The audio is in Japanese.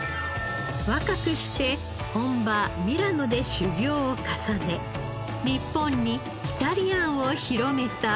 若くして本場ミラノで修業を重ね日本にイタリアンを広めた先駆者です。